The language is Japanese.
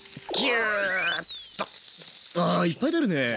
あいっぱい出るね。